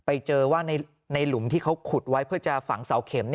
ไปเจอว่าในหลุมที่เขาขุดไว้เพื่อจะฝังเสาเข็ม